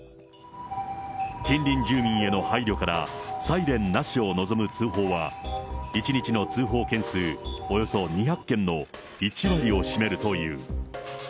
近隣住民への配慮から、サイレンなしを望む通報は、１日の通報件数およそ２００件の１割を占めるという。